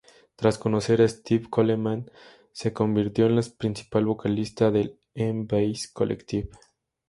Tras conocer a Steve Coleman, se convirtió en las principal vocalista del M-Base Collective.